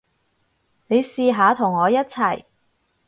你試下同我一齊